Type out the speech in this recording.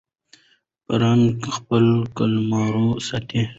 پړانګ خپل قلمرو ساتي.